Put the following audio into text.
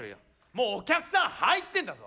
もうお客さん入ってんだぞ？